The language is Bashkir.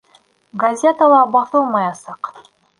Газетала баҫылмаясаҡ.